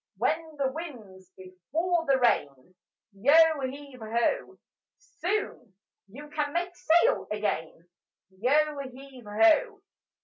When the wind's before the rain, Yo heave ho! Soon you can make sail again: Yo heave ho!